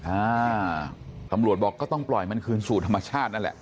อ่าตำรวจบอกก็ต้องปล่อยมันคืนสู่ธรรมชาตินั่นแหละ